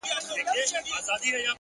هیله د عمل پرته بې رنګه وي!.